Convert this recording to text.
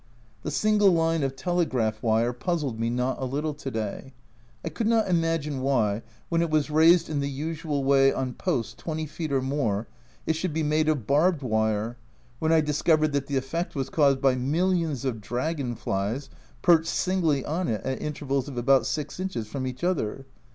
The single line of telegraph wire puzzled me not a little to day. I could not imagine why, when it was raised in the usual way on posts 20 feet or more, it should be made of barbed wire, when I discovered that the effect was caused by millions of dragon flies, perched singly on it at intervals of about 6 inches from each other